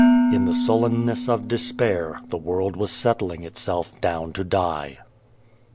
In the sullenness of despair the world was settling itself down to die.